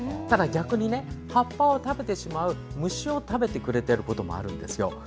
ただ逆に葉っぱを食べてしまう虫を食べてくれているということもあるんですよ。